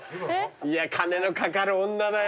いや金のかかる女だよ。